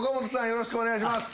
よろしくお願いします。